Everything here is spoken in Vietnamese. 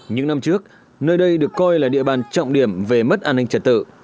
những năm trước nơi đây được coi là địa bàn trọng điểm về mất an ninh trật tự